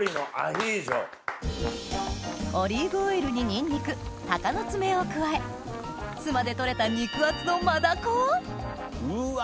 オリーブオイルにニンニク鷹の爪を加え須磨で取れた肉厚の真ダコをうわ！